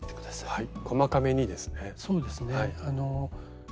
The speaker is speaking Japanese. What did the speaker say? はい。